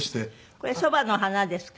これそばの花ですか？